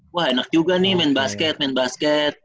wah enak juga nih main basket main basket